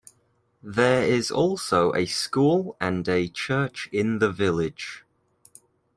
There is also a school and a church in the village.